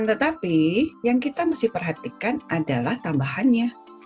tetapi yang kita mesti perhatikan adalah tambahannya